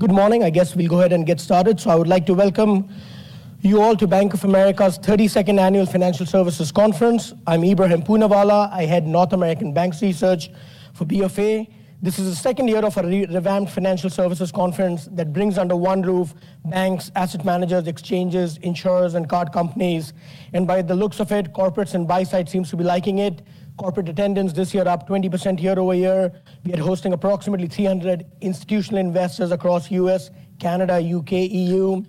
Good morning. I guess we'll go ahead and get started. I would like to welcome you all to Bank of America's 32nd Annual Financial Services Conference. I'm Ebrahim Poonawala. I head North American Banks Research for BofA. This is the second year of a revamped financial services conference that brings under one roof, banks, asset managers, exchanges, insurers, and card companies. And by the looks of it, corporates and buy side seems to be liking it. Corporate attendance this year up 20% year-over-year. We are hosting approximately 300 institutional investors across U.S., Canada, U.K., E.U.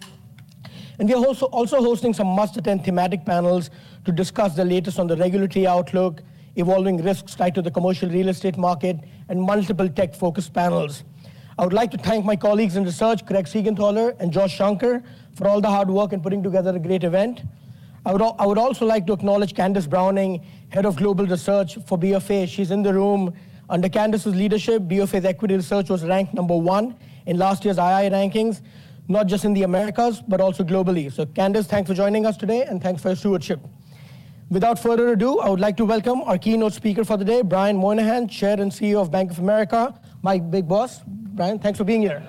And we are also hosting some must-attend thematic panels to discuss the latest on the regulatory outlook, evolving risks tied to the commercial real estate market, and multiple tech-focused panels. I would like to thank my colleagues in research, Craig Siegenthaler and Josh Shanker, for all the hard work in putting together a great event. I would also like to acknowledge Candace Browning, Head of Global Research for BofA. She's in the room. Under Candace's leadership, BofA's equity research was ranked number one in last year's II rankings, not just in the Americas, but also globally. So Candace, thanks for joining us today, and thanks for your stewardship. Without further ado, I would like to welcome our keynote speaker for the day, Brian Moynihan, Chair and CEO of Bank of America. My big boss. Brian, thanks for being here.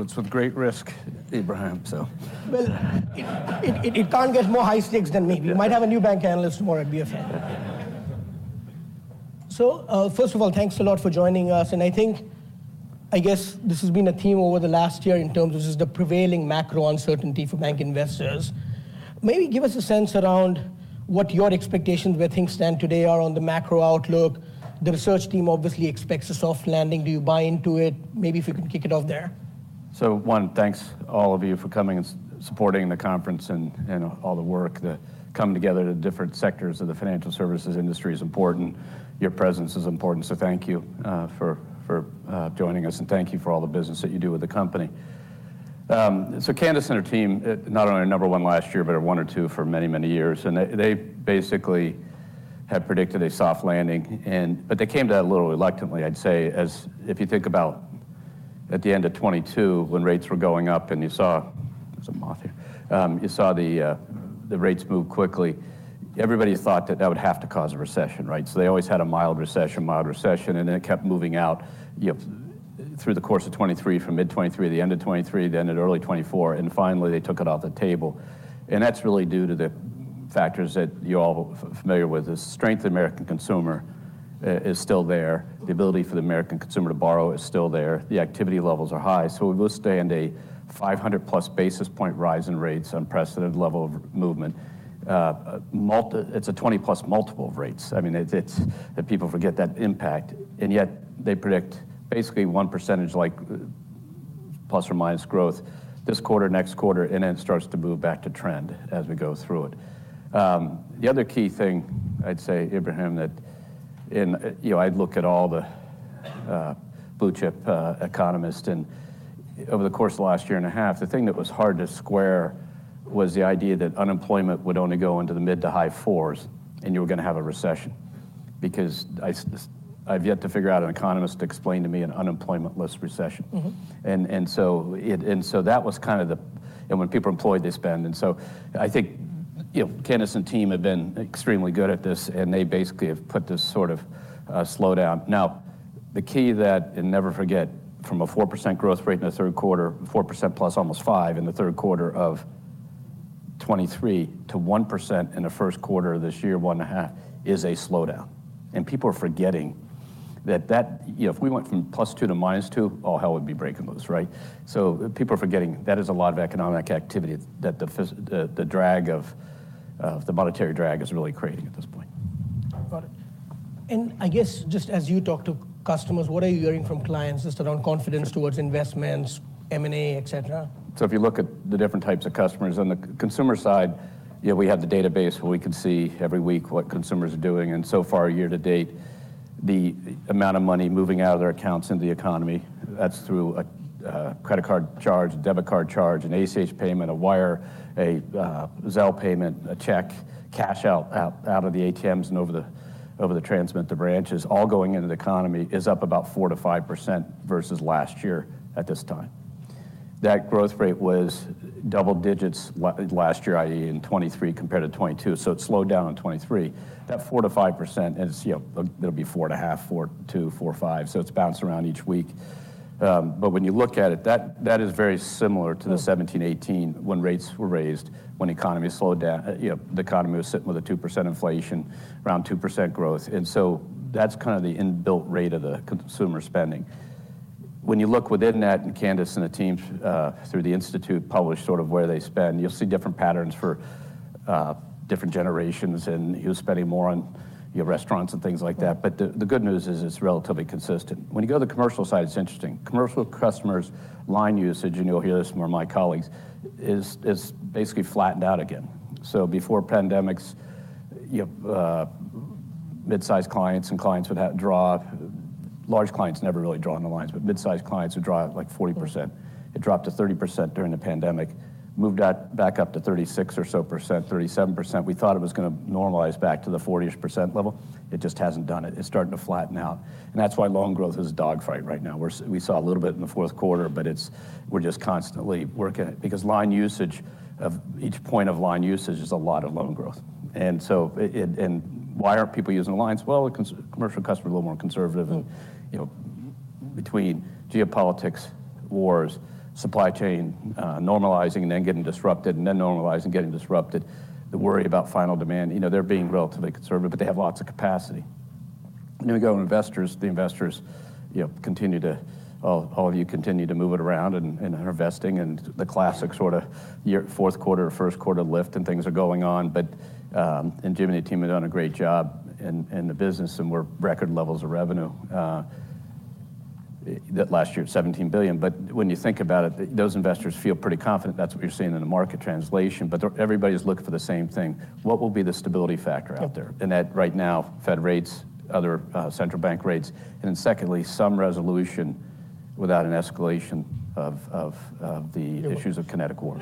It's with great risk, Ebrahim, so... Well, it can't get more high stakes than me. Yeah. We might have a new bank analyst tomorrow at BofA. So, first of all, thanks a lot for joining us, and I think, I guess this has been a theme over the last year in terms of just the prevailing macro uncertainty for bank investors. Maybe give us a sense around what your expectations, where things stand today, are on the macro outlook. The research team obviously expects a soft landing. Do you buy into it? Maybe if you can kick it off there. So, one, thanks all of you for coming and supporting the conference and all the work that come together to different sectors of the financial services industry is important. Your presence is important, so thank you for joining us, and thank you for all the business that you do with the company. So Candace and her team not only number one last year, but are one or two for many, many years, and they basically had predicted a soft landing, but they came to that a little reluctantly, I'd say. As if you think about at the end of 2022, when rates were going up and you saw - there's a moth here. You saw the rates move quickly. Everybody thought that that would have to cause a recession, right? So they always had a mild recession, mild recession, and it kept moving out, you know, through the course of 2023, from mid-2023, the end of 2023, then at early 2024, and finally they took it off the table. And that's really due to the factors that you're all familiar with. The strength of American consumer is still there. The ability for the American consumer to borrow is still there. The activity levels are high. So we will stay in a 500+ basis point rise in rates, unprecedented level of movement. It's a 20+ multiple of rates. I mean, it's, it's... That people forget that impact, and yet they predict basically 1%, like, plus or minus growth this quarter, next quarter, and then it starts to move back to trend as we go through it. The other key thing I'd say, Ebrahim, that you know, I'd look at all the Blue Chip economists, and over the course of the last year and a half, the thing that was hard to square was the idea that unemployment would only go into the mid to high fours, and you were gonna have a recession. Because I've yet to figure out an economist to explain to me an unemploymentless recession. And so that was kind of the... And when people employed this band, and so I think, you know, Candace and team have been extremely good at this, and they basically have put this sort of slowdown. Now, the key that, and never forget, from a 4% growth rate in the third quarter, 4% plus almost 5% in the third quarter of 2023 to 1% in the first quarter of this year, 1.5, is a slowdown. And people are forgetting that... You know, if we went from +2 to -2, oh, hell, we'd be breaking loose, right? So people are forgetting. That is a lot of economic activity, that the drag of the monetary drag is really creating at this point. Got it. I guess, just as you talk to customers, what are you hearing from clients just around confidence towards investments, M&A, et cetera? So if you look at the different types of customers, on the consumer side, you know, we have the database where we can see every week what consumers are doing, and so far, year to date, the amount of money moving out of their accounts in the economy, that's through a credit card charge, debit card charge, an ACH payment, a wire, a Zelle payment, a check, cash out of the ATMs and over the counter at the branches, all going into the economy, is up about 4%-5% versus last year at this time. That growth rate was double digits last year, i.e., in 2022 compared to 2021, so it slowed down in 2023. That 4%-5% is, you know, there'll be 4.5, 4.2, 4.5, so it's bounced around each week. When you look at it, that, that is very similar to the 17, 18 when rates were raised, when economy slowed down. You know, the economy was sitting with a 2% inflation, around 2% growth, and so that's kind of the inbuilt rate of the consumer spending. When you look within that, and Candace and the team through the institute, published sort of where they spend, you'll see different patterns for different generations, and who's spending more on, you know, restaurants and things like that. But the, the good news is, it's relatively consistent. When you go to the commercial side, it's interesting. Commercial customers' line usage, and you'll hear this from more of my colleagues, is, is basically flattened out again. So before pandemics, you know, mid-sized clients and clients would have draw... Large clients never really draw on the lines, but mid-sized clients would draw up, like, 40%. It dropped to 30% during the pandemic, moved out back up to 36% or so, 37%. We thought it was gonna normalize back to the 40-ish% level. It just hasn't done it. It's starting to flatten out, and that's why loan growth is a dogfight right now. We're we saw a little bit in the fourth quarter, but it's we're just constantly working it. Because line usage, of each point of line usage is a lot of loan growth. And so and why aren't people using the lines? Well, the commercial customer is a little more conservative and, you know, between geopolitics, wars, supply chain normalizing and then getting disrupted, and then normalizing and getting disrupted. The worry about final demand, you know, they're being relatively conservative, but they have lots of capacity. Then we go to investors. The investors, you know, continue to all of you continue to move it around and, and are investing, and the classic sort of year, fourth quarter, first quarter lift, and things are going on. But and Jim and the team have done a great job in, in the business, and we're record levels of revenue last year, $17 billion. But when you think about it, those investors feel pretty confident. That's what you're seeing in the market translation, but everybody's looking for the same thing. What will be the stability factor out there? Okay. That right now, Fed rates, other central bank rates, and then secondly, some resolution without an escalation of the issues of kinetic war.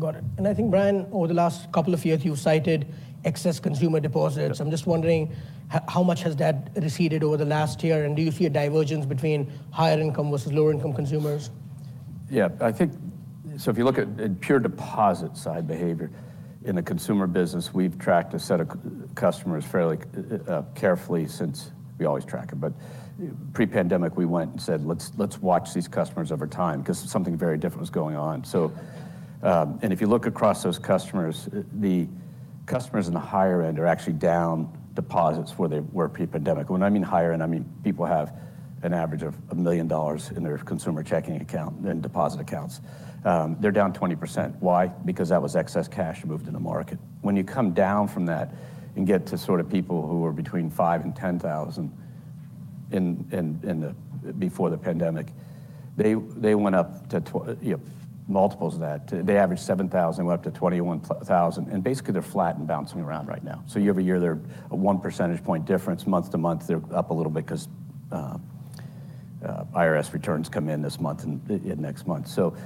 Got it. I think, Brian, over the last couple of years, you've cited excess consumer deposits. Yeah. I'm just wondering, how much has that receded over the last year, and do you see a divergence between higher income versus lower income consumers? Yeah, I think. So if you look at pure deposit side behavior in the consumer business, we've tracked a set of customers fairly carefully since we always track them. But pre-pandemic, we went and said, "Let's watch these customers over time," because something very different was going on. So, and if you look across those customers, the customers in the higher end are actually down deposits where they were pre-pandemic. When I mean higher end, I mean people have an average of $1 million in their consumer checking account and deposit accounts. They're down 20%. Why? Because that was excess cash moved in the market. When you come down from that and get to sort of people who were between $5,000 and $10,000 before the pandemic, they went up to, you know, multiples of that. They averaged $7,000, went up to $21,000, and basically, they're flat and bouncing around right now. So year-over-year, they're a one percentage point difference. Month-to-month, they're up a little bit because IRS returns come in this month and next month. So,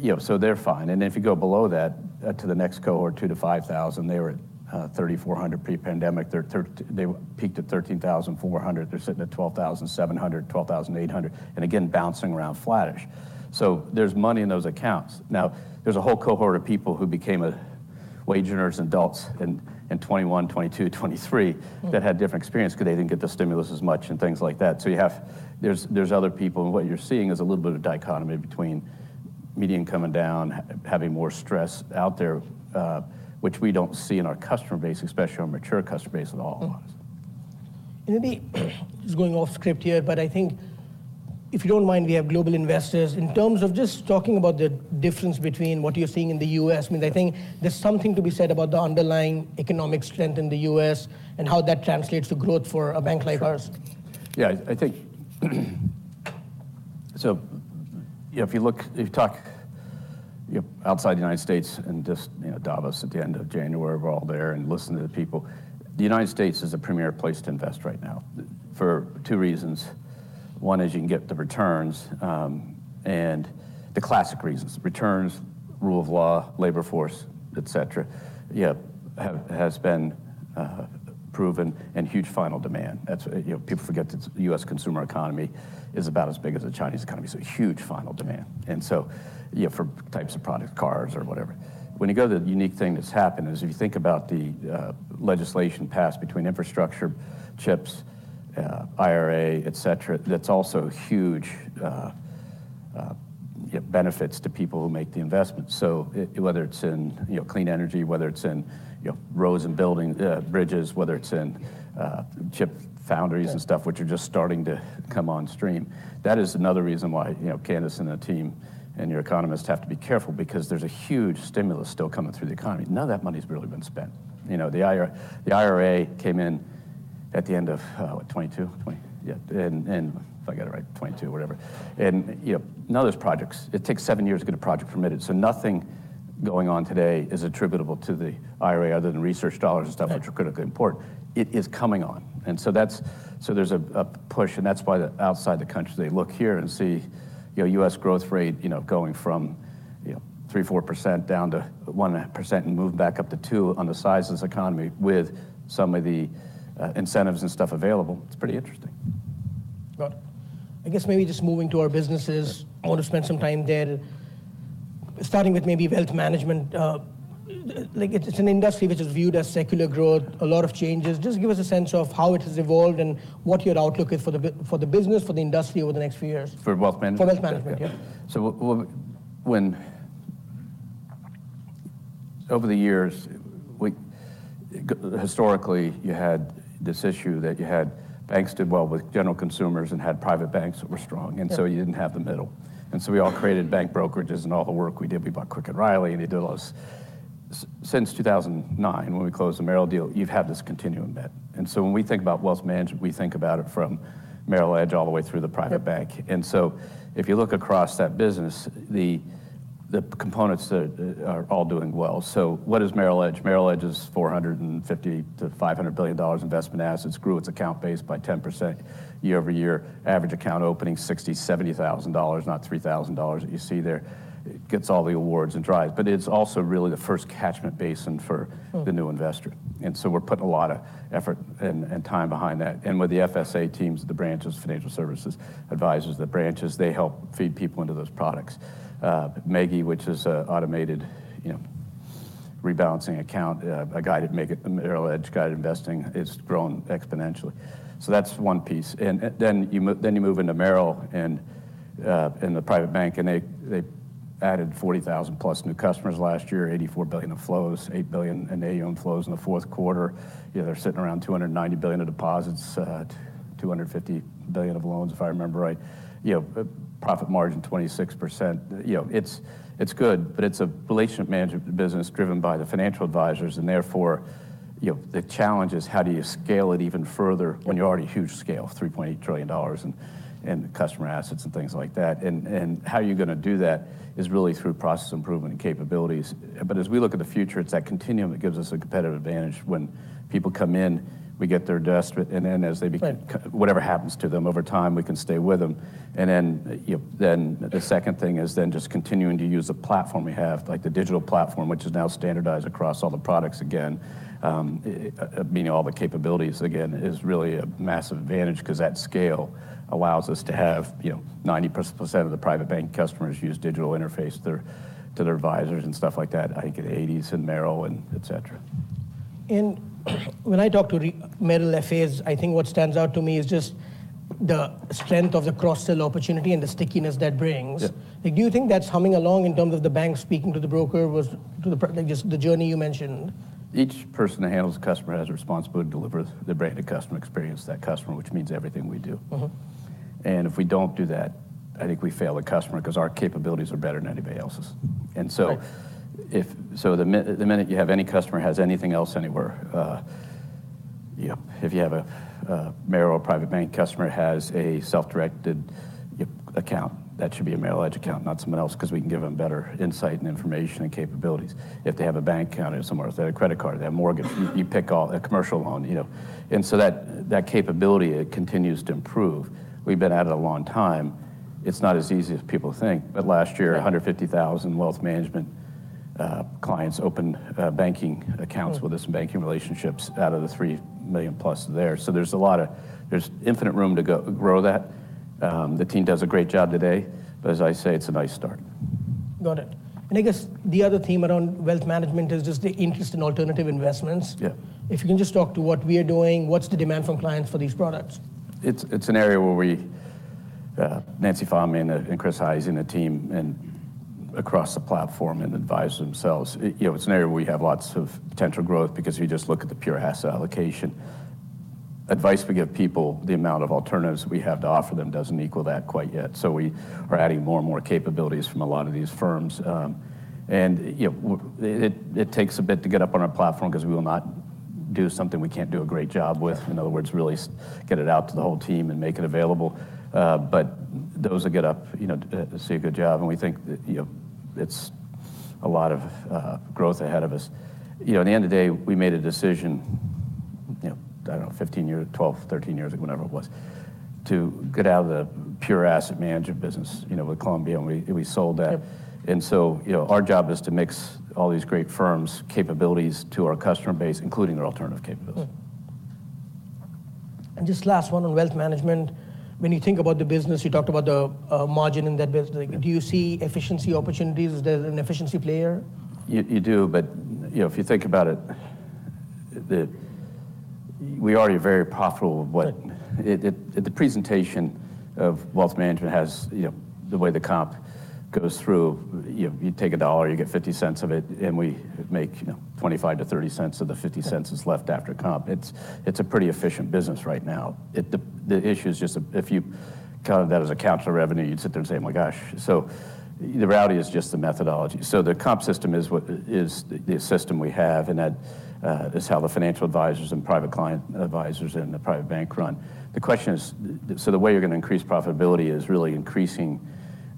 you know, so they're fine. And if you go below that, to the next cohort, $2,000-$5,000, they were $3,400 pre-pandemic. They peaked at $13,400. They're sitting at $12,700, $12,800, and again, bouncing around flattish. So there's money in those accounts. Now, there's a whole cohort of people who became wage earners and adults in 2021, 2022, 2023 that had different experience because they didn't get the stimulus as much, and things like that. So you have, there's other people, and what you're seeing is a little bit of dichotomy between median coming down, having more stress out there, which we don't see in our customer base, especially our mature customer base, at all. Maybe, just going off script here, but I think if you don't mind, we have global investors. In terms of just talking about the difference between what you're seeing in the U.S., I mean, I think there's something to be said about the underlying economic strength in the U.S. and how that translates to growth for a bank like ours. Yeah, I think, so, you know, if you look... If you talk, you know, outside the United States and just, you know, Davos at the end of January, we're all there and listening to the people, the United States is a premier place to invest right now, for two reasons. One is you can get the returns, and the classic reasons, returns, rule of law, labor force, et cetera. Yeah, has been proven, and huge final demand. That's, you know, people forget the U.S. consumer economy is about as big as the Chinese economy, so huge final demand, and so, you know, for types of product, cars or whatever. When you go, the unique thing that's happened is, if you think about the legislation passed between infrastructure, CHIPS, IRA, et cetera, that's also huge benefits to people who make the investment. So whether it's in, you know, clean energy, whether it's in, you know, roads and building, bridges, whether it's in, chip foundries and stuff- Yeah... which are just starting to come on stream, that is another reason why, you know, Candace and the team and your economists have to be careful because there's a huge stimulus still coming through the economy. None of that money's really been spent. You know, the IRA came in at the end of, what? 2022? 2022... Yeah, and, and if I got it right, 2022, whatever. And, you know, none of those projects- It takes seven years to get a project permitted, so nothing going on today is attributable to the IRA other than research dollars and stuff- Yeah... which are critically important. It is coming on, and so that's so there's a push, and that's why outside the country, they look here and see, you know, U.S. growth rate, you know, going from, you know, 3%-4% down to 1% and move back up to 2% on the size of this economy with some of the incentives and stuff available. It's pretty interesting. Got it. I guess maybe just moving to our businesses. Yeah... I want to spend some time there, starting with maybe Wealth Management. Like, it's an industry which is viewed as secular growth, a lot of changes. Just give us a sense of how it has evolved and what your outlook is for the business, for the industry over the next few years. For Wealth Management? For Wealth Management, yeah. So when, over the years, we historically, you had this issue that you had, banks did well with general consumers and had Private Banks that were strong. Yeah... and so you didn't have the middle. And so we all created bank brokerages, and all the work we did, we bought Quick & Reilly, and they did all this. Since 2009, when we closed the Merrill deal, you've had this continuum bet, and so when we think about Wealth Management, we think about it from Merrill Edge all the way through the Private Bank. Yeah. And so if you look across that business, the components are all doing well. So what is Merrill Edge? Merrill Edge is $450 billion-$500 billion investment assets, grew its account base by 10% year-over-year. Average account opening, $60,000-$70,000, not $3,000 that you see there. It gets all the awards and drives, but it's also really the first catchment basin for the new investor. And so we're putting a lot of effort and, and time behind that. And with the FSA teams, the branches, financial services advisors, the branches, they help feed people into those products. MEGI, which is a automated, you know- rebalancing account, a guided, make it a Merrill Edge Guided Investing, it's grown exponentially. So that's one piece, and, and then you then you move into Merrill and, in the Private Bank, and they, they added 40,000+ new customers last year, $84 billion of flows, $8 billion in AUM flows in the fourth quarter. You know, they're sitting around $290 billion of deposits, 250 billion of loans, if I remember right. You know, profit margin 26%. You know, it's, it's good, but it's a relationship management business driven by the financial advisors, and therefore, you know, the challenge is how do you scale it even further- Yeah... when you're already huge scale, $3.8 trillion, and, and customer assets and things like that. And, and how you're gonna do that is really through process improvement and capabilities. But as we look at the future, it's that continuum that gives us a competitive advantage. When people come in, we get their deposits, and then as they be- Right... whatever happens to them over time, we can stay with them. And then, you, then the second thing is then just continuing to use the platform we have, like the digital platform, which is now standardized across all the products again. Meaning all the capabilities again is really a massive advantage, 'cause that scale allows us to have, you know, 90% of the Private Bank customers use digital interface to their, to their advisors and stuff like that. I think in '80s in Merrill and etc. When I talk to the Merrill FAs, I think what stands out to me is just the strength of the cross-sell opportunity and the stickiness that brings. Yeah. Do you think that's humming along in terms of the bank speaking to the broker, just the journey you mentioned? Each person that handles the customer has a responsibility to deliver the brand of customer experience to that customer, which means everything we do. If we don't do that, I think we fail the customer, 'cause our capabilities are better than anybody else's. Right. The minute you have any customer has anything else anywhere, you know, if you have a Merrill or Private Bank customer has a self-directed, yep, account, that should be a Merrill Edge account, not someone else, 'cause we can give them better insight and information and capabilities. If they have a bank account somewhere, if they have a credit card, they have mortgage—you pick all, a commercial loan, you know. That capability continues to improve. We've been at it a long time. It's not as easy as people think. But last year- Yeah... 150,000 Wealth Management clients opened banking accounts-... with us and banking relationships out of the 3 million plus there. So there's a lot of... There's infinite room to go, grow that. The team does a great job today, but as I say, it's a nice start. Got it. I guess the other theme around Wealth Management is just the interest in alternative investments. Yeah. If you can just talk to what we are doing, what's the demand from clients for these products? It's an area where we, Nancy Fahmy and Chris Hyzy in the team and across the platform, advise themselves. You know, it's an area where we have lots of potential growth because if you just look at the pure asset allocation advice we give people, the amount of alternatives we have to offer them doesn't equal that quite yet. So we are adding more and more capabilities from a lot of these firms. And, you know, it takes a bit to get up on our platform 'cause we will not do something we can't do a great job with. Yeah. In other words, really get it out to the whole team and make it available. But those that get up, you know, see a good job, and we think that, you know, it's a lot of growth ahead of us. You know, at the end of the day, we made a decision, you know, I don't know, 15 years, 12, 13 years ago, whenever it was, to get out of the pure asset management business, you know, with Columbia, and we, we sold that. Yeah. And so, you know, our job is to mix all these great firms' capabilities to our customer base, including their alternative capabilities. Just last one on Wealth Management. When you think about the margin in that business. Yeah. Do you see efficiency opportunities as an efficiency player? You do, but you know, if you think about it, we already are very profitable with what... The presentation of Wealth Management has, you know, the way the comp goes through, you know, you take $1, you get $0.50 of it, and we make, you know, $0.25-$0.30 of the $0.50-... that's left after comp. It's a pretty efficient business right now. The issue is just, if you count that as core revenue, you'd sit there and say, "Oh, my gosh." So the reality is just the methodology. So the comp system is what is the system we have, and that is how the financial advisors and private client advisors and the Private Bank run. The question is, the way you're going to increase profitability is really increasing,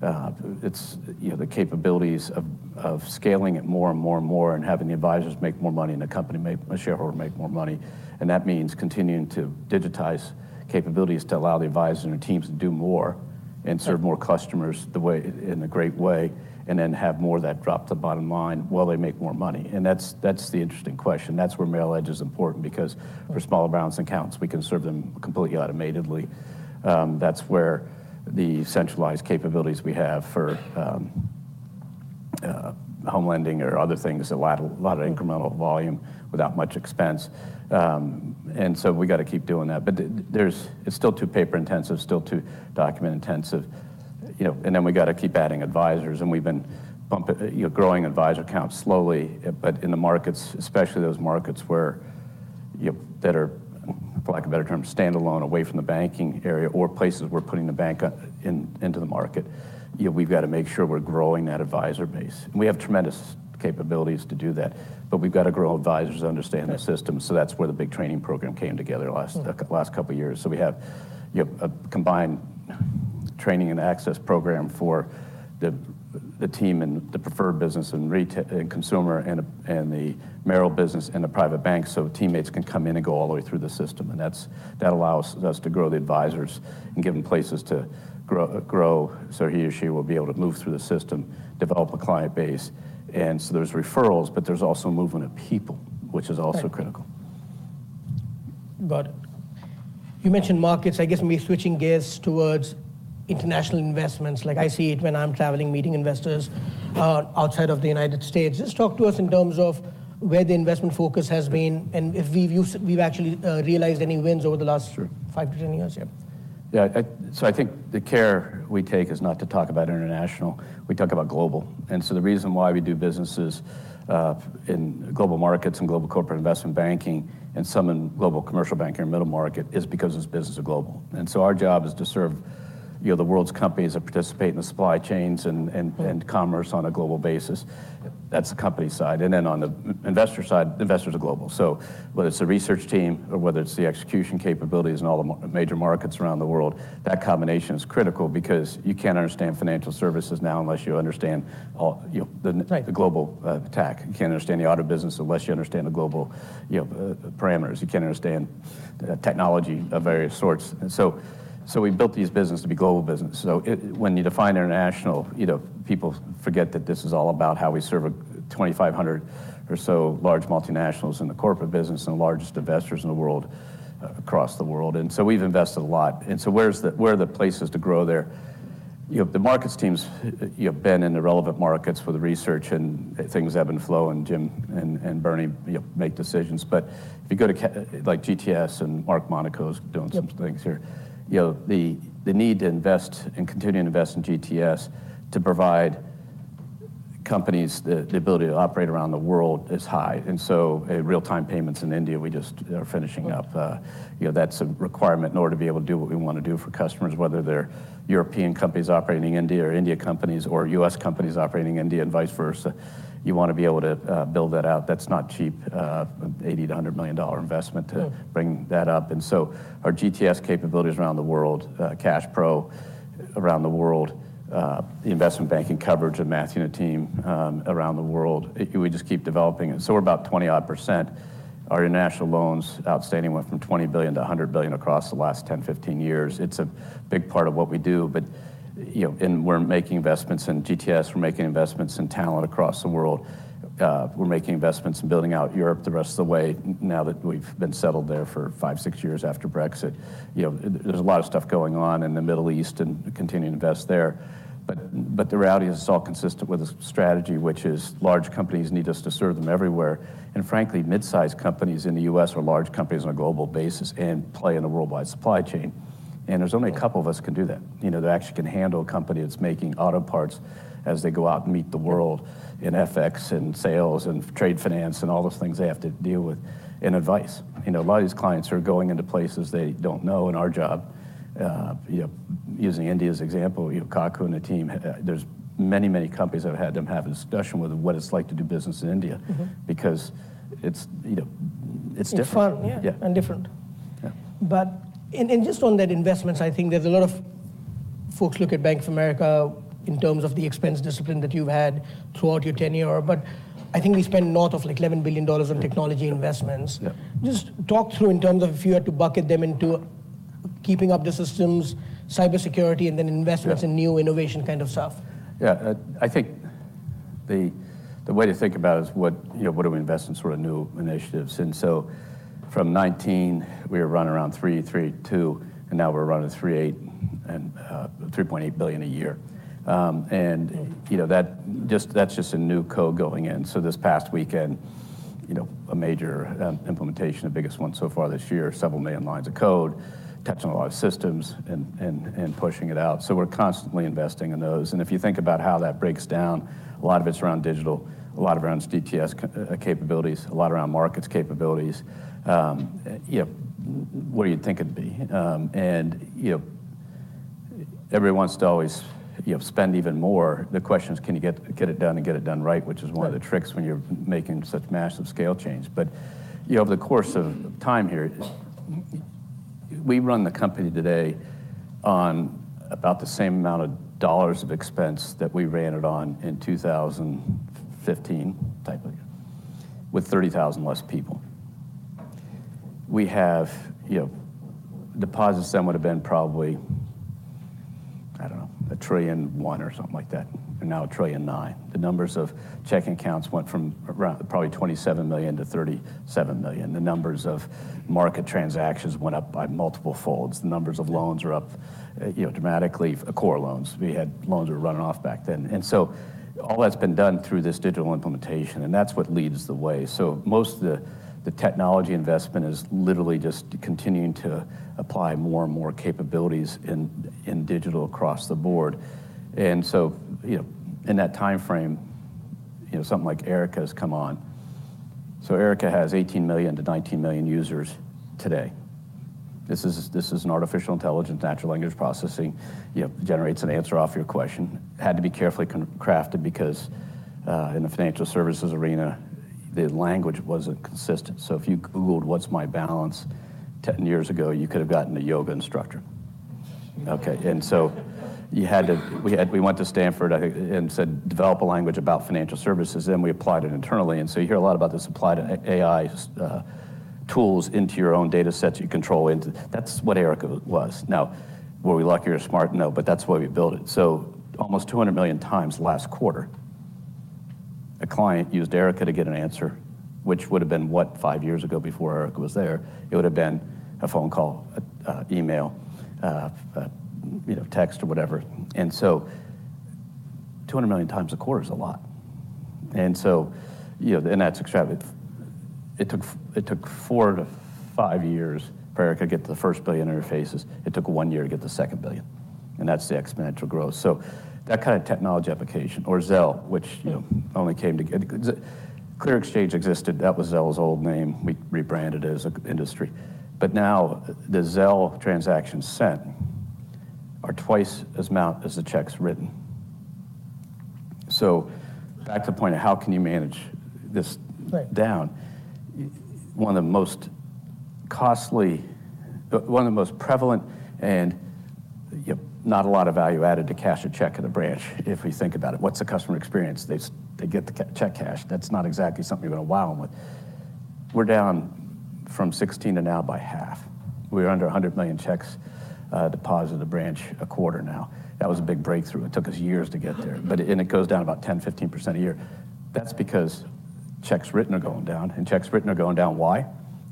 you know, the capabilities of scaling it more and more and more, and having the advisors make more money, and the company make the shareholder make more money. And that means continuing to digitize capabilities to allow the advisors and the teams to do more and serve more customers the way, in a great way, and then have more of that drop to bottom line while they make more money. And that's, that's the interesting question. That's where Merrill Edge is important, because-... for smaller balance and accounts, we can serve them completely automatedly. That's where the centralized capabilities we have for home lending or other things, a lot, a lot of incremental volume without much expense. And so we got to keep doing that. But there's, it's still too paper intensive, still too document intensive, you know, and then we got to keep adding advisors, and we've been pumping, you know, growing advisor accounts slowly, but in the markets, especially those markets where, you know, that are, for lack of a better term, standalone away from the banking area or places we're putting the bank up in, into the market, you know, we've got to make sure we're growing that advisor base. We have tremendous capabilities to do that, but we've got to grow advisors who understand the system. Yeah. That's where the big training program came together last last couple of years. We have a combined training and access program for the team and the preferred business and retail, and consumer, and the Merrill business and the Private Bank, so teammates can come in and go all the way through the system. That allows us to grow the advisors and give them places to grow, so he or she will be able to move through the system, develop a client base. There's referrals, but there's also movement of people- Right... which is also critical.... Got it. You mentioned markets, I guess maybe switching gears towards international investments. Like, I see it when I'm traveling, meeting investors outside of the United States. Just talk to us in terms of where the investment focus has been, and if we've actually realized any wins over the last 5-10 years. Yeah. Yeah, I, so I think the care we take is not to talk about international, we talk about global. And so the reason why we do businesses in Global Markets and Global Corporate Investment Banking, and some in Global Commercial Banking and Middle Market, is because this business is global. And so our job is to serve, you know, the world's companies that participate in the supply chains and commerce on a global basis. That's the company side. And then on the investor side, investors are global. So whether it's the research team or whether it's the execution capabilities in all the major markets around the world, that combination is critical because you can't understand financial services now unless you understand all, you know- Right... the global tack. You can't understand the auto business unless you understand the global, you know, parameters. You can't understand technology of various sorts. And so, so we built this business to be global business. So it, when you define international, you know, people forget that this is all about how we serve a 2,500 or so large multinationals in the corporate business, and the largest investors in the world, across the world, and so we've invested a lot. And so where's the- where are the places to grow there? You know, the markets teams, you know, have been in the relevant markets for the research, and things ebb and flow, and Jim and, and Bernie, you know, make decisions. But if you go to like GTS, and Mark Monaco's doing some things here. Yeah. You know, the need to invest and continue to invest in GTS to provide companies the ability to operate around the world is high. And so, real-time payments in India, we just, you know, are finishing up. Right. You know, that's a requirement in order to be able to do what we want to do for customers, whether they're European companies operating in India, or Indian companies or US companies operating in India, and vice versa. You want to be able to build that out. That's not cheap, $80-$100 million investment to- Yeah... bring that up. So our GTS capabilities around the world, CashPro around the world, the investment banking coverage of Matthew and the team, around the world, we just keep developing. So we're about 20-odd%. Our international loans outstanding went from $20 billion to $100 billion across the last 10-15 years. It's a big part of what we do, but, you know, and we're making investments in GTS, we're making investments in talent across the world. We're making investments in building out Europe the rest of the way, now that we've been settled there for 5-6 years after Brexit. You know, there's a lot of stuff going on in the Middle East and continuing to invest there. But the reality is, it's all consistent with the strategy, which is large companies need us to serve them everywhere. And frankly, mid-sized companies in the U.S. or large companies on a global basis, and play in a worldwide supply chain. Yeah. There's only a couple of us can do that, you know, that actually can handle a company that's making auto parts as they go out and meet the world in FX, and sales, and trade finance, and all those things they have to deal with, and advice. You know, a lot of these clients are going into places they don't know, and our job, you know, using India as example, you know, Kaku and the team, there's many, many companies that have had them have a discussion with them what it's like to do business in India. Because it's, you know, it's different. It's fun. Yeah. And different. Yeah. Just on that investments, I think there's a lot of folks look at Bank of America in terms of the expense discipline that you've had throughout your tenure, but I think we spent north of, like, $11 billion on technology investments. Yeah. Just talk through in terms of if you had to bucket them into keeping up the systems, cybersecurity, and then investments- Yeah... in new innovation kind of stuff. Yeah. I think the way to think about it is, you know, what do we invest in sort of new initiatives? And so from 2019, we were running around $3.32 billion, and now we're running $3.8 billion a year.... you know, that just, that's just a new code going in. So this past weekend, you know, a major implementation, the biggest one so far this year, several million lines of code, touching a lot of systems and pushing it out. So we're constantly investing in those. And if you think about how that breaks down, a lot of it's around digital, a lot of it around GTS capabilities, a lot around markets capabilities. You know, what do you think it'd be? And, you know, everyone wants to always, you know, spend even more. The question is, can you get it done and get it done right? Which is one of the tricks when you're making such massive scale change. You know, over the course of time here, we run the company today on about the same amount of dollars of expense that we ran it on in 2015, technically, with 30,000 less people. We have, you know, deposits then would've been probably, I don't know, $1.1 trillion or something like that, and now $1.9 trillion. The numbers of checking accounts went from around probably 27 million to 37 million. The numbers of market transactions went up by multiple folds. The numbers of loans are up, you know, dramatically. Core loans. We had loans that were running off back then. And so all that's been done through this digital implementation, and that's what leads the way. So most of the technology investment is literally just continuing to apply more and more capabilities in digital across the board. And so, you know, in that timeframe, you know, something like Erica has come on. So Erica has 18 million-19 million users today. This is an artificial intelligence, natural language processing, you know, generates an answer off your question. Had to be carefully crafted because in the financial services arena, the language wasn't consistent. So if you Googled "What's my balance?" 10 years ago, you could have gotten a yoga instructor. Okay, and so you had to, we had, we went to Stanford, I think, and said, "Develop a language about financial services," and we applied it internally. And so you hear a lot about this applied to AI tools into your own data sets you control, and that's what Erica was. Now, were we lucky or smart? No, but that's why we built it. So almost 200 million times last quarter... A client used Erica to get an answer, which would've been, what? 5 years ago, before Erica was there, it would've been a phone call, an email, you know, a text or whatever. 200 million times a quarter is a lot. You know, and that's extravagant. It took 4-5 years for Erica to get to the first billion interfaces. It took 1 year to get the second billion, and that's the exponential growth. So that kind of technology application or Zelle, which, you know, only came together. ClearXchange existed. That was Zelle's old name. We rebranded it as an industry. But now, the Zelle transactions sent are twice the amount as the checks written. So back to the point of how can you manage this- Right... down? One of the most costly, but one of the most prevalent, and, you know, not a lot of value added to cash a check at a branch, if we think about it. What's the customer experience? They get the check cashed. That's not exactly something you're gonna wow them with. We're down from 16 to now by half. We're under 100 million checks deposited a branch a quarter now. That was a big breakthrough. It took us years to get there. And it goes down about 10%-15% a year. That's because checks written are going down, and checks written are going down, why?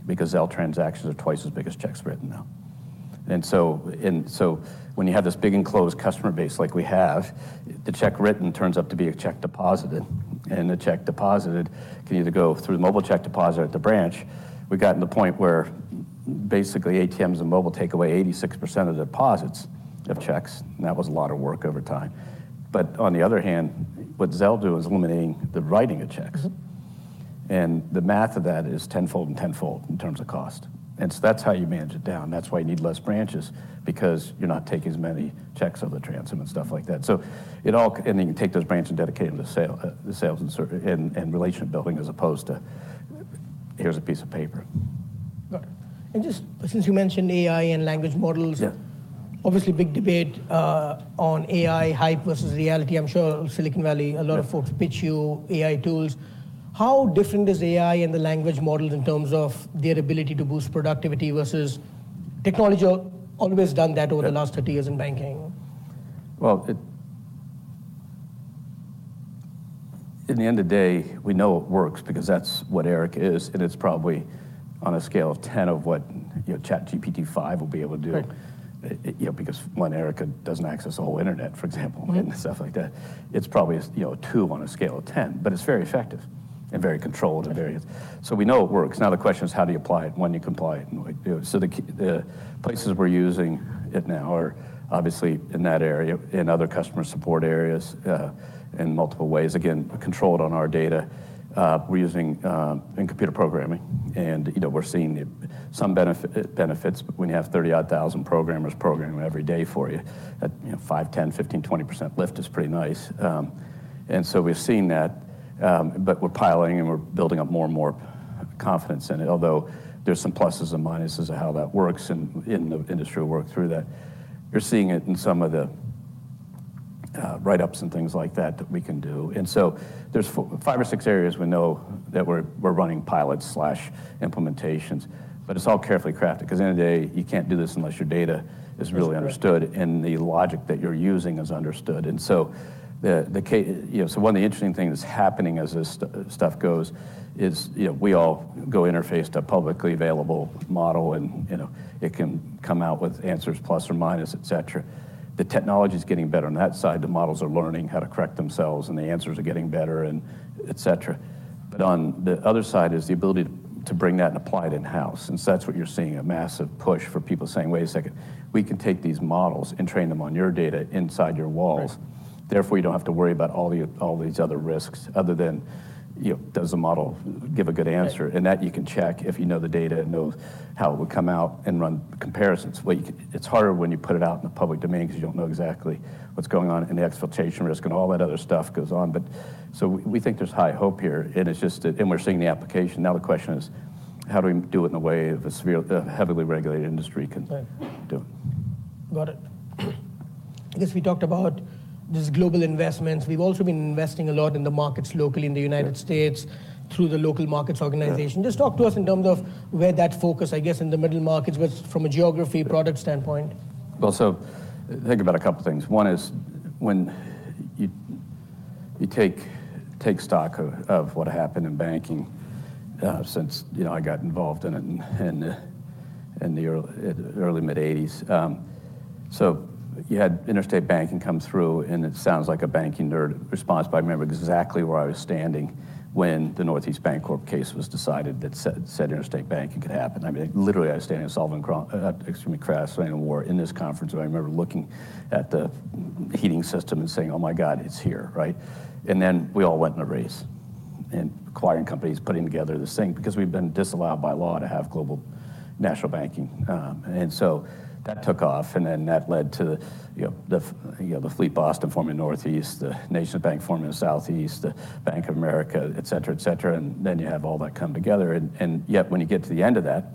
Because Zelle transactions are twice as big as checks written now. And so, and so when you have this big enclosed customer base like we have, the check written turns out to be a check deposited, and the check deposited can either go through the mobile check deposit or at the branch. We've gotten to the point where basically, ATMs and mobile take away 86% of the deposits of checks, and that was a lot of work over time. But on the other hand, what Zelle do is eliminating the writing of checks. And the math of that is tenfold and tenfold in terms of cost, and so that's how you manage it down. That's why you need less branches because you're not taking as many checks over the transom and stuff like that. So it all, and then you take those branches and dedicate them to sales, the sales and services and relationship building, as opposed to, "Here's a piece of paper. Got it. And just since you mentioned AI and language models- Yeah... obviously, big debate on AI, hype versus reality. I'm sure Silicon Valley, a lot of folks- Yeah... pitch you AI tools. How different is AI and the language models in terms of their ability to boost productivity versus technology's always done that over the last 30 years in banking? Well, in the end of the day, we know it works because that's what Erica is, and it's probably on a scale of ten of what, you know, ChatGPT-5 will be able to do. Right. you know, because, one, Erica doesn't access the whole internet, for example and stuff like that. It's probably, you know, a 2 on a scale of 10, but it's very effective and very controlled and very- Right. So we know it works. Now, the question is: how do you apply it, when do you apply it, and what do? So the places we're using it now are obviously in that area, in other customer support areas, in multiple ways, again, controlled on our data. We're using in computer programming, and, you know, we're seeing some benefits. When you have 30-odd thousand programmers programming every day for you, you know, 5, 10, 15, 20% lift is pretty nice. And so we've seen that, but we're piloting and we're building up more and more confidence in it, although there's some pluses and minuses of how that works, and in the industry, we'll work through that. You're seeing it in some of the write-ups and things like that, that we can do. So there's 5 or 6 areas we know that we're running pilots slash implementations, but it's all carefully crafted, 'cause the end of the day, you can't do this unless your data is really understood- That's right... and the logic that you're using is understood. And so you know, so one of the interesting things that's happening as this stuff goes is, you know, we all go interface to a publicly available model, and, you know, it can come out with answers plus or minus, et cetera. The technology's getting better on that side. The models are learning how to correct themselves, and the answers are getting better and et cetera. But on the other side is the ability to bring that and apply it in-house, and so that's what you're seeing, a massive push for people saying: "Wait a second, we can take these models and train them on your data inside your walls. Right. Therefore, you don't have to worry about all the, all these other risks, other than, you know, does the model give a good answer? Right. And that you can check if you know the data and know how it would come out and run comparisons. Well, you can—it's harder when you put it out in the public domain because you don't know exactly what's going on, and the exfiltration risk and all that other stuff goes on. But so we, we think there's high hope here, and it's just that... And we're seeing the application. Now, the question is: how do we do it in the way of a severe—a heavily regulated industry can- Right... do? Got it. I guess we talked about just global investments. We've also been investing a lot in the markets locally in the United States- Yeah... through the local markets organization. Yeah. Just talk to us in terms of where that focus, I guess, in the Middle Markets was from a geography product standpoint. Well, so think about a couple things. One is when you take stock of what happened in banking since, you know, I got involved in it in the early, mid-1980s. So you had interstate banking come through, and it sounds like a banking nerd response, but I remember exactly where I was standing when the Northeast Bancorp case was decided that said interstate banking could happen. I mean, literally, I was standing in the Sullivan & Cromwell conference room. I remember looking at the heating system and saying: "Oh, my God, it's here," right? And then we all went in a race, acquiring companies, putting together this thing, because we've been disallowed by law to have global national banking. And so that took off, and then that led to, you know, you know, the FleetBoston forming Northeast, the NationsBank forming the Southeast, the Bank of America, et cetera, et cetera. And then you have all that come together, and, and yet when you get to the end of that,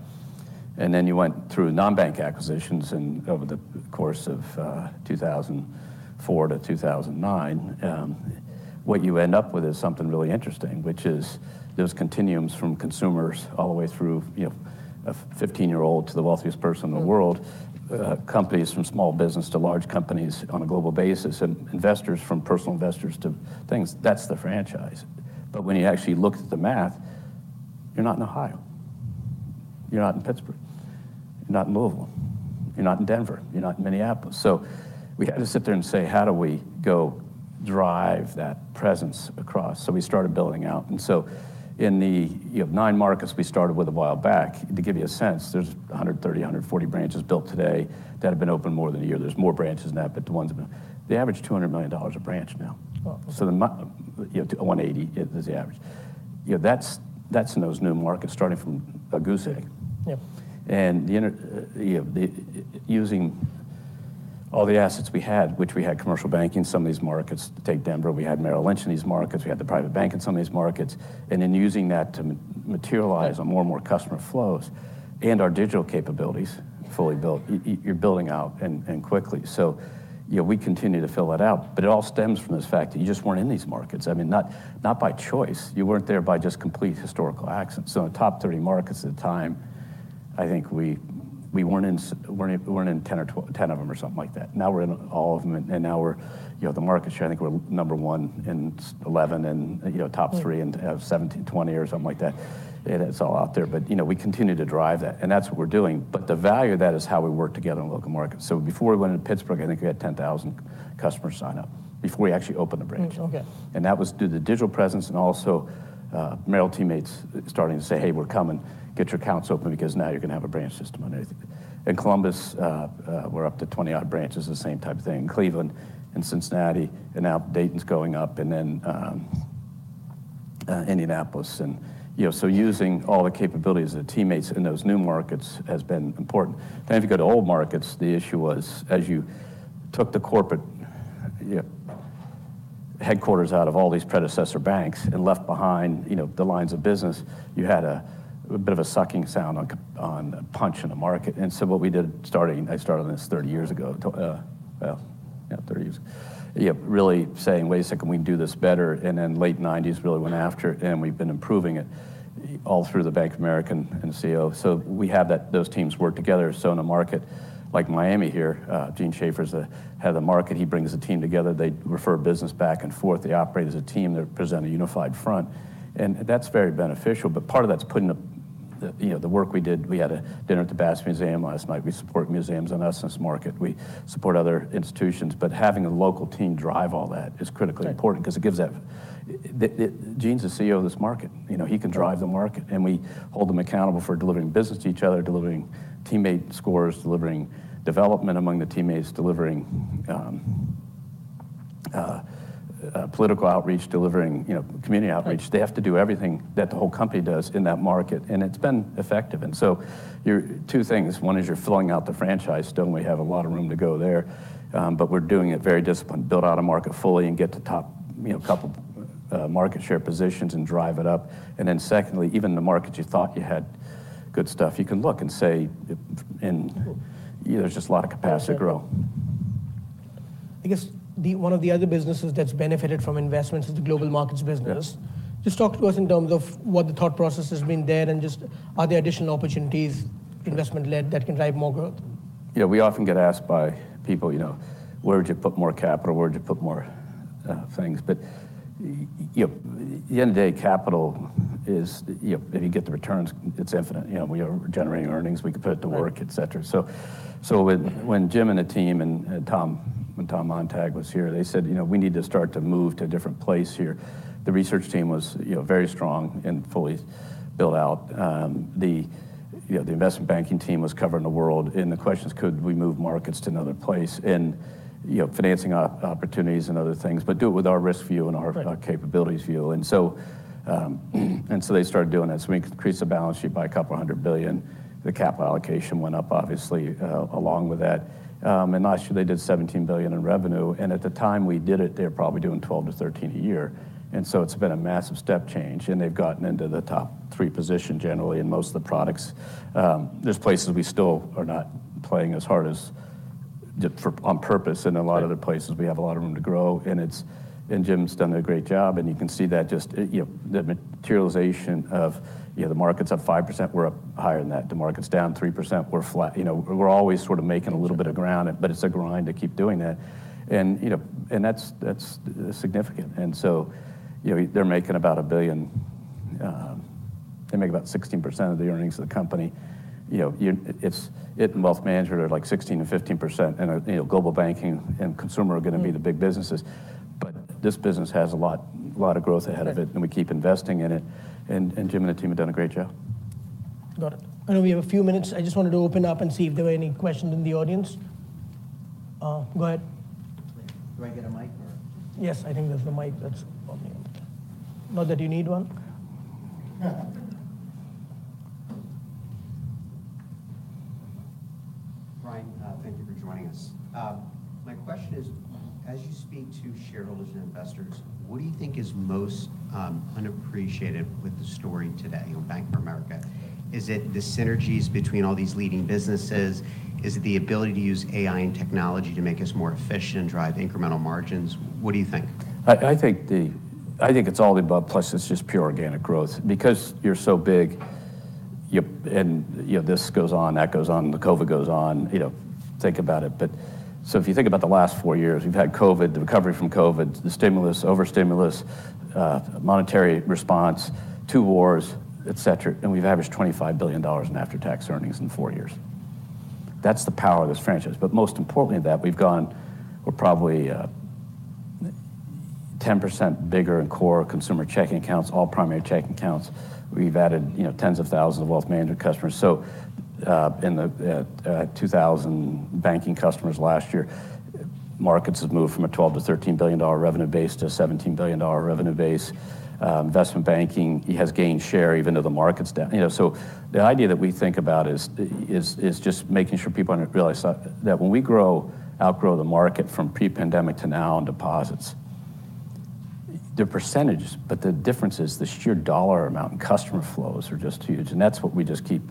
and then you went through non-bank acquisitions, and over the course of, 2004 to 2009, what you end up with is something really interesting, which is those continuums from consumers all the way through, you know, a 15-year-old to the wealthiest person in the world, companies from small business to large companies on a global basis, and investors, from personal investors to things. That's the franchise. But when you actually look at the math, you're not in Ohio. You're not in Pittsburgh, you're not in Louisville, you're not in Denver, you're not in Minneapolis. So we had to sit there and say, "How do we go drive that presence across?" So we started building out, and so in the, you know, 9 markets we started with a while back, to give you a sense, there's 130-140 branches built today that have been open more than a year. There's more branches now, but the ones that. They average $200 million a branch now. Wow! So you know, to 180 is the average. You know, that's in those new markets, starting from a goose egg. Yeah. You know, using all the assets we had, which we had commercial banking in some of these markets. Take Denver, we had Merrill Lynch in these markets, we had the Private Bank in some of these markets, and then using that to materialize more and more customer flows and our digital capabilities, fully built. You're building out and quickly. So, you know, we continue to fill that out, but it all stems from this fact that you just weren't in these markets. I mean, not by choice. You weren't there by just complete historical accident. So in the top 30 markets at the time, I think we weren't in 10 of them or something like that. Now, we're in all of them, and now we're... You know, the market share, I think we're number 1 in 11, and, you know, top three- Yeah... and have 17, 20 or something like that. It is all out there, but, you know, we continue to drive that, and that's what we're doing. But the value of that is how we work together in local markets. So before we went into Pittsburgh, I think we had 10,000 customers sign up, before we actually opened a branch. Mm, okay. And that was through the digital presence and also, Merrill teammates starting to say, "Hey, we're coming. Get your accounts open because now you're going to have a branch system underneath it." In Columbus, we're up to 20-odd branches, the same type of thing. In Cleveland and Cincinnati, and now Dayton's going up, and then Indianapolis. And, you know, so using all the capabilities of the teammates in those new markets has been important. Then if you go to old markets, the issue was, as you took the corporate, you know, headquarters out of all these predecessor banks and left behind, you know, the lines of business, you had a bit of a sucking sound on punch in the market. And so what we did starting... I started on this 30 years ago, yeah, 30 years. Yeah, really saying, "Wait a second, we can do this better." And then late '90s really went after it, and we've been improving it all through the Bank of America and Co. So we have that; those teams work together. So in a market like Miami here, Gene Schaefer's the head of the market. He brings the team together. They refer business back and forth. They operate as a team. They present a unified front, and that's very beneficial. But part of that's putting the, you know, the work we did. We had a dinner at the Bass Museum last night. We support museums in each market. We support other institutions, but having a local team drive all that is critically important- Yeah... because it gives that, Gene's the CEO of this market. You know, he can drive the market, and we hold them accountable for delivering business to each other, delivering teammate scores, delivering development among the teammates, delivering political outreach, delivering, you know, community outreach. Right. They have to do everything that the whole company does in that market, and it's been effective. And so two things: One is you're filling out the franchise. Still, we have a lot of room to go there, but we're doing it very disciplined, build out a market fully and get to top, you know, a couple market share positions and drive it up. And then secondly, even the markets you thought you had good stuff, you can look and say, and- Sure... there's just a lot of capacity to grow. I guess one of the other businesses that's benefited from investments is the Global Markets business. Yeah. Just talk to us in terms of what the thought process has been there, and just are there additional opportunities, investment-led, that can drive more growth? Yeah, we often get asked by people, you know, "Where would you put more capital? Where would you put more, things?" But, you know, at the end of the day, capital is, you know, if you get the returns, it's infinite. You know, we are generating earnings, we can put it to work, et cetera. Right. So when Jim and the team, and Tom, when Tom Montag was here, they said, "You know, we need to start to move to a different place here." The research team was, you know, very strong and fully built out. The, you know, the investment banking team was covering the world, and the question is, could we move markets to another place, and, you know, financing opportunities and other things, but do it with our risk view and our- Right... capabilities view. They started doing that. We increased the balance sheet by $200 billion. The capital allocation went up, obviously, along with that. Last year they did $17 billion in revenue, and at the time we did it, they were probably doing $12-$13 billion a year. It's been a massive step change, and they've gotten into the top three position generally in most of the products. There's places we still are not playing as hard as for on purpose, in a lot of other places. Right. We have a lot of room to grow, and it's. And Jim's done a great job, and you can see that just, you know, the materialization of, you know, the market's up 5%, we're up higher than that. The market's down 3%, we're flat. You know, we're always sort of making a little bit of ground, but it's a grind to keep doing that. And, you know, and that's, that's significant. And so, you know, they're making about $1 billion. They make about 16% of the earnings of the company. You know, you- it's- it and Wealth Management are, like, 16% and 15%, and, you know, Global Banking and Consumer are going to be the big businesses. But this business has a lot, a lot of growth ahead of it- Right... and we keep investing in it, and Jim and the team have done a great job. Got it. I know we have a few minutes. I just wanted to open up and see if there were any questions in the audience. Go ahead. Do I get a mic or? Yes, I think there's a mic that's on you. Not that you need one. Brian, thank you for joining us. My question is: As you speak to shareholders and investors, what do you think is most unappreciated with the story today on Bank of America? Is it the synergies between all these leading businesses? Is it the ability to use AI and technology to make us more efficient and drive incremental margins? What do you think? I think it's all the above, plus it's just pure organic growth. Because you're so big, you know, this goes on, that goes on, the COVID goes on, you know. Think about it, but if you think about the last four years, we've had COVID, the recovery from COVID, the stimulus, over stimulus, monetary response, two wars, etc., and we've averaged $25 billion in after-tax earnings in four years. That's the power of this franchise, but most importantly, that we've gone. We're probably 10% bigger in core consumer checking accounts, all primary checking accounts. We've added, you know, tens of thousands of Wealth Management customers. So, in the Global Banking and Markets last year, markets have moved from a $12-$13 billion revenue base to a $17 billion revenue base. Investment banking, it has gained share even though the market's down. You know, so the idea that we think about is just making sure people understand, that when we grow, outgrow the market from pre-pandemic to now in deposits, the percentages, but the difference is the sheer dollar amount in customer flows are just huge. And that's what we just keep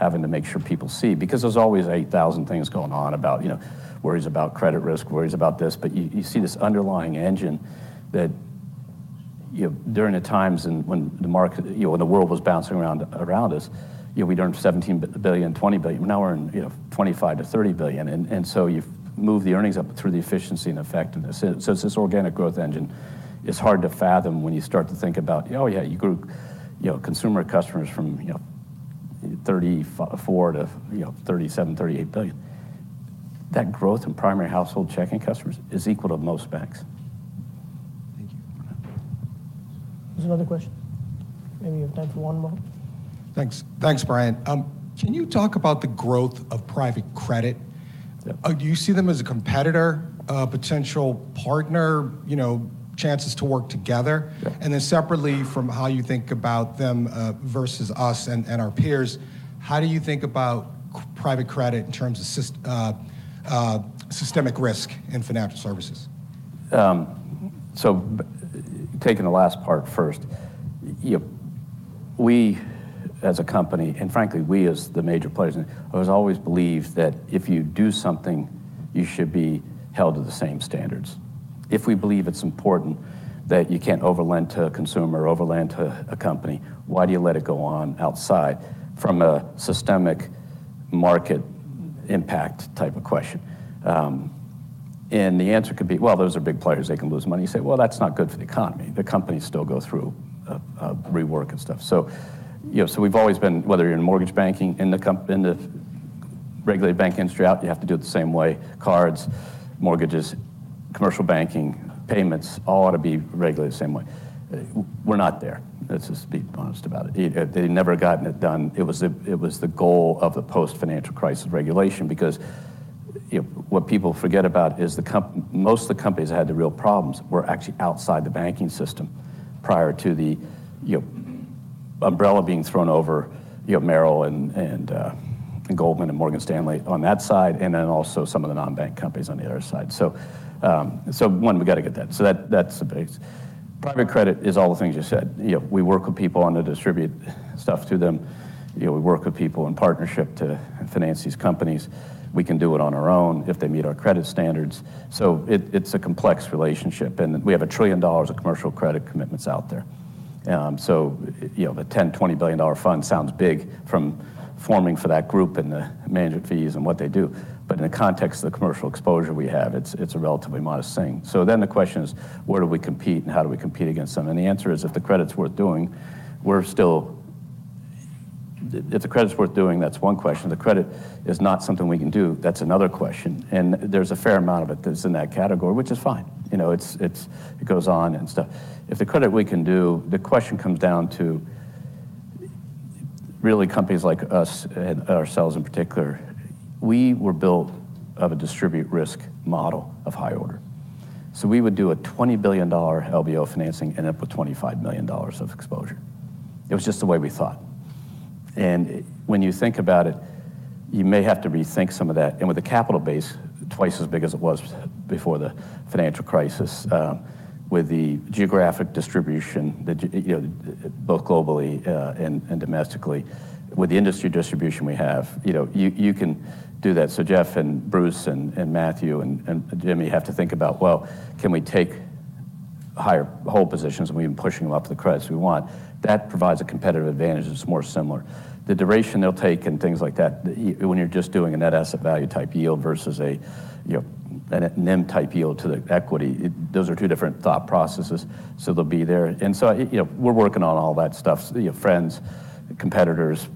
having to make sure people see, because there's always 8,000 things going on about, you know, worries about credit risk, worries about this, but you, you see this underlying engine that, you know, during the times and when the market, you know, when the world was bouncing around us, you know, we'd earned $17 billion, $20 billion. Now we're in, you know, $25 billion-$30 billion, and, and so you've moved the earnings up through the efficiency and effectiveness. So it's this organic growth engine. It's hard to fathom when you start to think about, oh, yeah, you grew, you know, consumer customers from, you know, 34 million to, you know, $37-$38 billion. That growth in primary household checking customers is equal to most banks. Thank you. There's another question. Maybe we have time for one more. Thanks. Thanks, Brian. Can you talk about the growth of private credit? Yeah. Do you see them as a competitor, a potential partner, you know, chances to work together? Yeah. And then separately from how you think about them versus us and our peers, how do you think about private credit in terms of systemic risk in financial services? So taking the last part first, you, we, as a company, and frankly, we as the major players, I was always believed that if you do something, you should be held to the same standards. If we believe it's important that you can't over-lend to a consumer or over-lend to a company, why do you let it go on outside from a systemic market impact type of question? And the answer could be: Well, those are big players. They can lose money. You say, "Well, that's not good for the economy." The companies still go through a rework and stuff. So, you know, so we've always been, whether you're in mortgage banking in the regulated banking industry, you have to do it the same way. Cards, mortgages, commercial banking, payments, all ought to be regulated the same way. We're not there. Let's just be honest about it. They never gotten it done. It was the goal of the post-financial crisis regulation, because, you know, what people forget about is... Most of the companies that had the real problems were actually outside the banking system prior to the, you know, umbrella being thrown over, you know, Merrill and, and, and Goldman and Morgan Stanley on that side, and then also some of the non-bank companies on the other side. So, so one, we got to get that. So that, that's the base. Private credit is all the things you said. You know, we work with people on to distribute stuff to them. You know, we work with people in partnership to finance these companies. We can do it on our own if they meet our credit standards. So, it's a complex relationship, and we have $1 trillion of commercial credit commitments out there. You know, the $10-$20 billion fund sounds big from forming for that group and the management fees and what they do, but in the context of the commercial exposure we have, it's a relatively modest thing. So then the question is, where do we compete and how do we compete against them? And the answer is, if the credit's worth doing, we're still... If the credit's worth doing, that's one question. The credit is not something we can do, that's another question. And there's a fair amount of it that's in that category, which is fine. You know, it goes on and stuff. If the credit we can do, the question comes down to really companies like us, ourselves in particular. We were built on a distributed risk model of high order. So we would do a $20 billion LBO financing and end up with $25 million of exposure. It was just the way we thought. And when you think about it, you may have to rethink some of that, and with a capital base twice as big as it was before the financial crisis, with the geographic distribution, you know, both globally, and domestically, with the industry distribution we have, you know, you can do that. So Geoff and Bruce and Matthew and Jimmy have to think about, well, can we take higher hold positions when we're pushing them off to the credits we want? That provides a competitive advantage that's more similar. The duration they'll take and things like that, when you're just doing a net asset value type yield versus a, you know, an NIM type yield to the equity, those are two different thought processes, so they'll be there. And so, you know, we're working on all that stuff. So, your friends, competitors,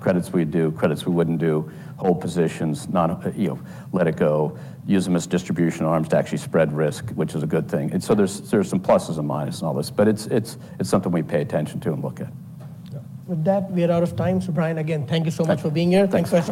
credits we'd do, credits we wouldn't do, hold positions, not, you know, let it go, use them as distribution arms to actually spread risk, which is a good thing. And so there's, there's some pluses and minuses in all this, but it's, it's, it's something we pay attention to and look at. Yeah. With that, we are out of time. So, Brian, again, thank you so much for being here. Thanks very much.